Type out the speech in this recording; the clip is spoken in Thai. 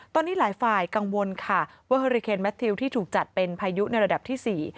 ตอนนี้หลายฝ่ายกังวลค่ะว่าเฮอริเคนแมททิวที่ถูกจัดเป็นพายุในระดับที่สี่